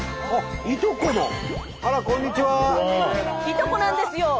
いとこなんですよ！